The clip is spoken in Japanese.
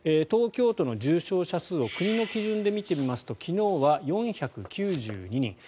東京都の重症者数を国の基準で見てみますと昨日は４９２人。